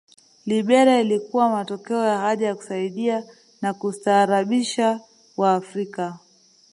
Liberia ilikuwa matokeo ya haja ya kusaidia na kustaarabisha Waafrika